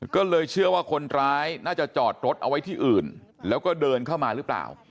ก็เลยเชื่อว่าคนร้ายน่าจะจอดรถเอาไว้ที่อื่นแล้วก็เดินเข้ามาหรือเปล่า